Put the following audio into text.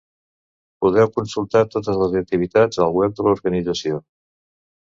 Podeu consultar totes les activitats al web de l'organització.